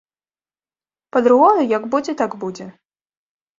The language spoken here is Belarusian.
Па-другое, як будзе, так будзе!